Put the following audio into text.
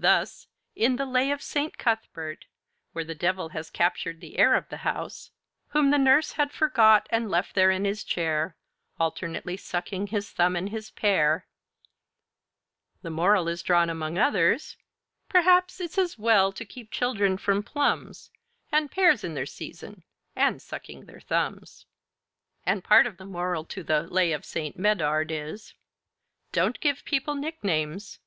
Thus in the 'Lay of St. Cuthbert,' where the Devil has captured the heir of the house, "Whom the nurse had forgot and left there in his chair, Alternately sucking his thumb and his pear," the moral is drawn, among others, "Perhaps it's as well to keep children from plums, And pears in their season and sucking their thumbs." And part of the moral to the 'Lay of St. Medard' is "Don't give people nicknames!